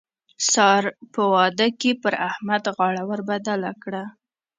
سار په واده کې پر احمد غاړه ور بدله کړه.